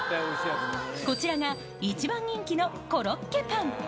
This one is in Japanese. こちらが、一番人気のコロッケパン。